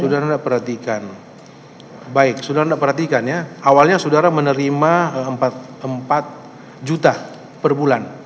saudara perhatikan baik saudara anda perhatikan ya awalnya saudara menerima empat juta per bulan